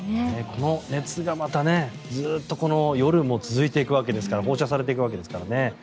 この熱がまたずっと夜も続いていくわけですから放射されていくわけですからね。